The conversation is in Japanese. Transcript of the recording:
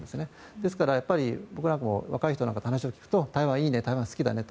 ですから、僕なんかも若い人なんかの話を聞くと台湾はいいね台湾は好きだねと。